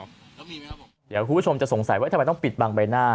เดี๋ยวคุณผู้ชมจะสงสัยว่าทำไมต้องปิดบังใบหน้า